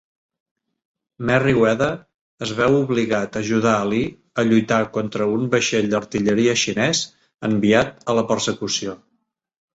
Merryweather es veu obligat a ajudar a Lee a lluitar contra un vaixell d'artilleria xinès enviat a la persecució.